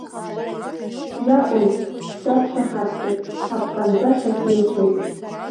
Иакәын, дақәшаҳаҭхеит, ҳаԥҟанҵа шьақәирӷәӷәеит.